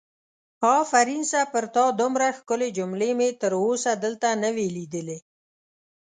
آفرین سه پر تا دومره ښکلې جملې مې تر اوسه دلته نه وي لیدلې!